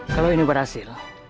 kalau ini berhasil